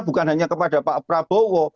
bukan hanya kepada pak prabowo